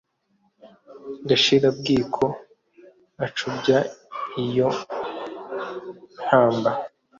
gashira-bwiko acubya iyo nkamba!